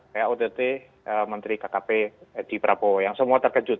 kayak odt menteri kkp di prabowo yang semua terkejut